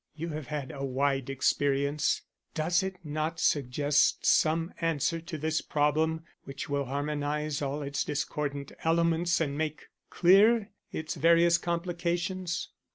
You have had a wide experience; does it not suggest some answer to this problem which will harmonize all its discordant elements and make clear its various complications?"